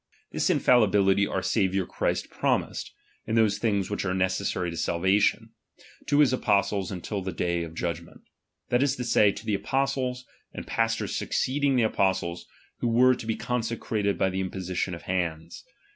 This infallibility our Saviour Christ promised (in those things which are necessary to salvation) to his apostles until the day of judgment ; that is to say, to the apostles, and pastors succeeding the apostles, who were to be consecrated hy the imposition of hand^.